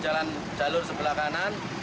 jalan jalur sebelah kanan